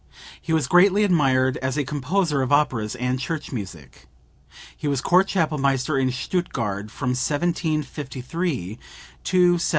He was greatly admired as a composer of operas and church music. He was Court Chapelmaster in Stuttgart from 1753 to 1769.)